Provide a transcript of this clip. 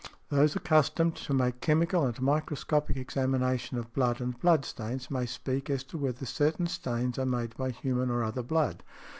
Those accustomed to make chemical and microscopic examinations of blood and blood stains may speak as to whether certain stains are made by human or other blood.